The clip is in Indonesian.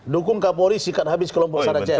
dukung kapolri sikat habis kelompok saracen